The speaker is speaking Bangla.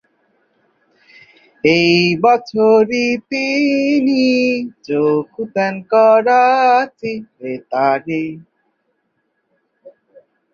ঐ বছরই তিনি যোগ দেন করাচি বেতারে, পরে বিবিসি-তে।